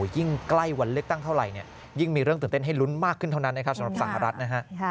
ยิ่งใกล้วันเลือกตั้งเท่าไหร่ยิ่งมีเรื่องตื่นเต้นให้ลุ้นมากขึ้นเท่านั้นนะครับสำหรับสหรัฐนะฮะ